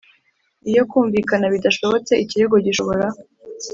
Iyo kumvikana bidashobotse ikirego gishobora